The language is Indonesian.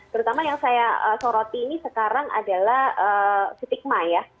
terutama yang saya soroti ini sekarang adalah stigma ya